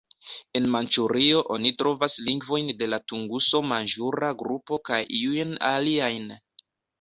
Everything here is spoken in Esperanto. En Manĉurio oni trovas lingvojn de la Tunguso-manĝura grupo kaj iujn aliajn.